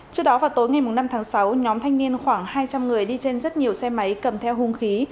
trước đó vào tối ngày năm tháng sáu nhóm thanh niên khoảng hai trăm linh người đi trên rất nhiều xe máy cầm theo hung khí